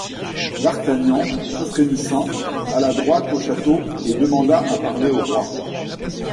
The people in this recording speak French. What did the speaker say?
D'Artagnan, tout frémissant alla, droit au château et demanda à parler au roi.